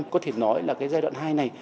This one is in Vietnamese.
có thể nói là giai đoạn hai này